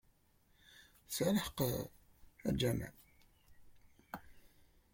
Tesɛa lḥeqq, a Jamal.